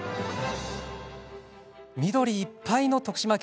緑いっぱいの徳島県。